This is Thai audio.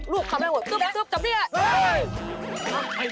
ลูกคำแรกหมดตุ๊บจับนี่เลย